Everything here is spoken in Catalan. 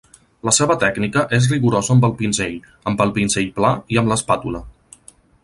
La seva tècnica és rigorosa amb el pinzell, amb el pinzell pla i amb l'espàtula.